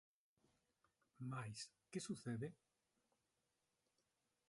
Mais, ¿que sucede?